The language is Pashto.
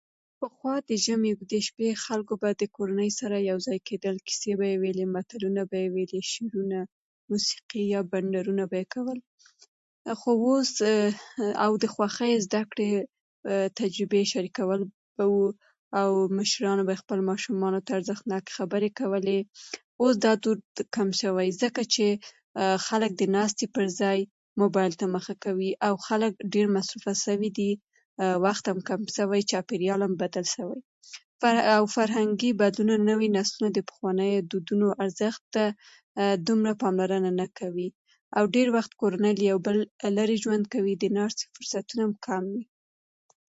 پخوا د ژمي اوږدې شپې خلکو به د کورنۍ سره یوځای کېدل، کیسې به یې ویلې، متلونه به یې ویل، شعرونه، موسیقي او یا بنډارونه به یې کول. خو اوس د خوښۍ، زده کړې، تجربې شریکول به وو، او مشرانو به خپلو ماشومانو ته اخلاقي خبرې کولې. اوس دا دود کم شوی، ځکه چې خلک د ناستې پر ځای موبایل ته مخه کوي، او خلک ډېر مصروفه شوي دي. وخت هم کم شوی دی، او چاپېریال هم بدل شوی، او فرهنګي بدلون، نوي نسلونه د پخوانیو دودونو په ارزښت دومره پاملرنه نه کوي، او ډېر وخت کورنۍ له یو بل لیرې ژوند کوي. د ناستې فرصتونه هم کم وي.